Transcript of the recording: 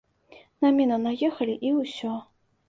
На міну наехалі, і ўсё.